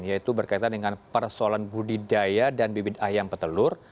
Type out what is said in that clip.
yaitu berkaitan dengan persoalan budidaya dan bibit ayam petelur